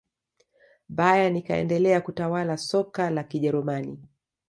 bayern ikaendelea kutawala soka la kijerumani